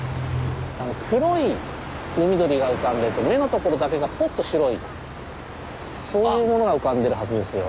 黒い海鳥が浮かんでて目の所だけがポッと白いそういうものが浮かんでるはずですよ。